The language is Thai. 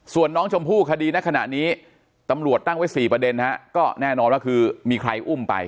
ส่วนน้องชมพู่คดีในขณะนี้ตำรวจตั้งไว้๔ประเด็นก็แน่นอนว่าคือมีใครอุ้มไป